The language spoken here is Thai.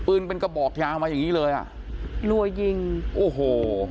เป็นกระบอกยาวมาอย่างงี้เลยอ่ะรัวยิงโอ้โห